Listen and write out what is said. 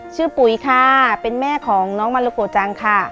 ปุ๋ยค่ะเป็นแม่ของน้องมาโลโกจังค่ะ